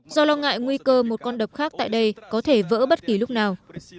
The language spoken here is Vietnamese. do lo ngại nguy cơ một con đập khác tại đây có thể vỡ bất kỳ lúc nào